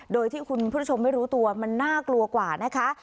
โดยที่คุณผู้ชมไม่รู้ตัวมันน่ากลัวกว่านะคะ